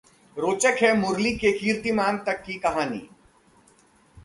रोचक है मुरली के कीर्तिमान तक की कहानी